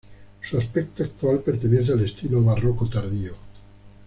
Su aspecto actual pertenece al estilo barroco tardío.